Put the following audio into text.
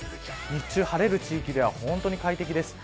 日中、晴れる地域で本当に快適です。